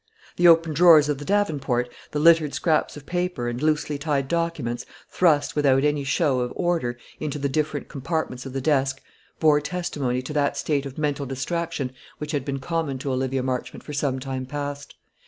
The open drawers of the davenport, the littered scraps of paper and loosely tied documents, thrust, without any show of order, into the different compartments of the desk, bore testimony to that state of mental distraction which had been common to Olivia Marchmont for some time past.